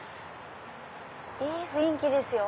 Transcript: いい雰囲気ですよ。